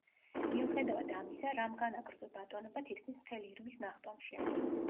მიუხედავად ამისა, რამ განაგრძო ბატონობა თითქმის მთელ ირმის ნახტომში.